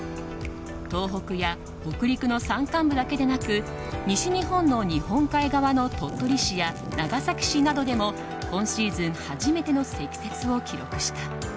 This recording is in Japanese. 東北や北陸の山間部だけでなく西日本の日本海側の鳥取市や長崎市などでも今シーズン初めての積雪を記録した。